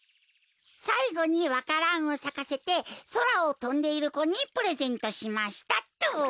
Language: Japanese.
「さいごにわからんをさかせてそらをとんでいる子にプレゼントしました」っと。